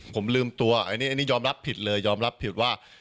ผมลืมตัวอันนี้ยอมรับผิดเลยยอมรับผิดว่า